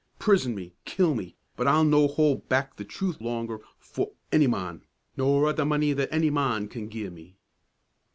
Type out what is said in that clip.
Prison me, kill me, but I'll no' hold back the truth longer for ony mon, nor a' the money that ony mon can gi' me!"